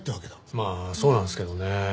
まあそうなんですけどね。